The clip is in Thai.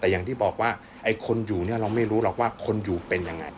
แต่อย่างที่บอกว่าไอ้คนอยู่เนี่ยเราไม่รู้หรอกว่าคนอยู่เป็นยังไง